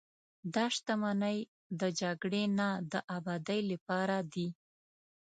دا شتمنۍ د جګړې نه، د ابادۍ لپاره دي.